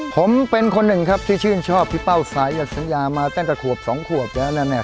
ผมเป็นคนหนึ่งครับที่ชื่นชอบพี่เป้าสายันสัญญามาตั้งแต่ขวบสองขวบแล้วนะเนี่ย